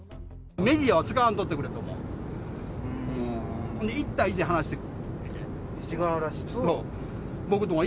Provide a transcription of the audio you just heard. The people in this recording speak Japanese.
メディアは使わんとってくれとか。